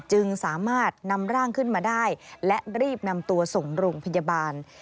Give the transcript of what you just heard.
จึงสามารถนำร่างขึ้นมาได้และรีบนำตัวส่งโรงพยาบาล